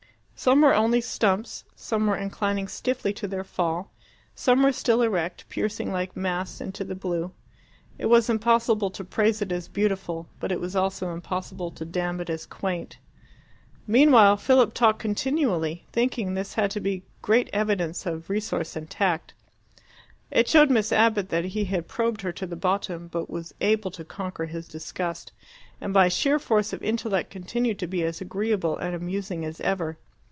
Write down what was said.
Some were only stumps, some were inclining stiffly to their fall, some were still erect, piercing like masts into the blue. It was impossible to praise it as beautiful, but it was also impossible to damn it as quaint. Meanwhile Philip talked continually, thinking this to be great evidence of resource and tact. It showed Miss Abbott that he had probed her to the bottom, but was able to conquer his disgust, and by sheer force of intellect continue to be as agreeable and amusing as ever.